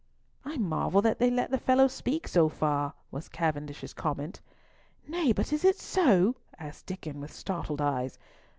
"I marvel that they let the fellow speak so far," was Cavendish's comment. "Nay, but is it so?" asked Diccon with startled eyes.